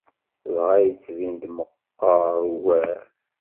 Dɣa yettbin-d meqqer ugar.